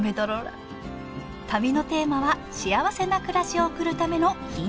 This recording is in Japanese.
旅のテーマはしあわせな暮らしを送るためのヒント探し。